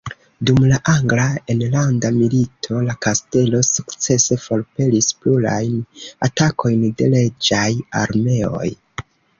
Dum la angla enlanda milito la kastelo sukcese forpelis plurajn atakojn de reĝaj armeoj.